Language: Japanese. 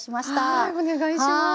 はいお願いします。